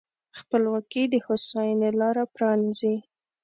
خپلواکي د هوساینې لاره پرانیزي.